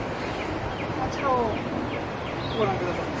あちらをご覧下さい。